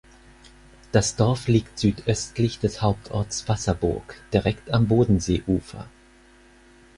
Das Dorf liegt südöstlich des Hauptorts Wasserburg direkt am Bodenseeufer.